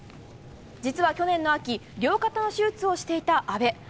実は去年の秋両肩を手術していた阿部。